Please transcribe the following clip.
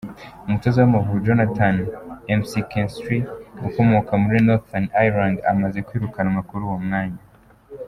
Umutoza w’Amavubi Jonathan Mckinstry ukomoka muri Northern Iriland amaze kwirukanwa kuri uwo mwanya.